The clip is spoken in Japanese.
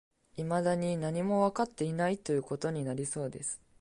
未だに何もわかっていない、という事になりそうです